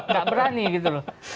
gak berani gitu loh